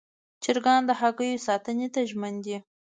چرګان د هګیو ساتنې ته ژمن دي.